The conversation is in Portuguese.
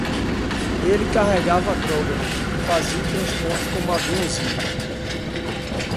Ele carregava drogas, fazia o transporte como aviãozinho